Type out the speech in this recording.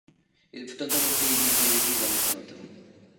Je v tomto městě jedním z největších zaměstnavatelů.